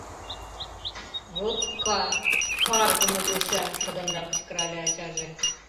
— Вот ка-каргыме йоча! — шыдынрак кычкырале ачаже.